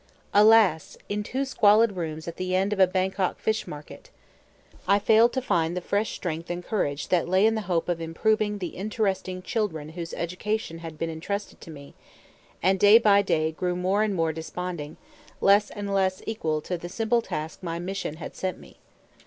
Alas! in two squalid rooms at the end of a Bangkok fish market. I failed to find the fresh strength and courage that lay in the hope of improving the interesting children whose education had been intrusted to me, and day by day grew more and more desponding, less and less equal to the simple task my "mission" had set me.